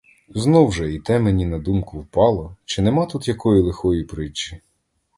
Знов же і те мені на думку впало, чи нема тут якої лихої притчі?